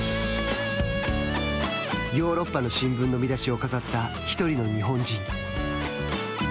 ヨーロッパの新聞の見出しを飾った、１人の日本人。